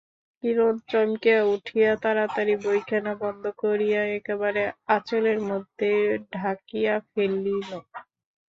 কিরণ চমকিয়া উঠিয়া তাড়াতাড়ি বইখানা বন্ধ করিয়া একেবারে আঁচলের মধ্যে ঢাকিয়া ফেলিল।